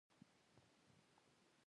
یوې ونې ته ور وښوېد.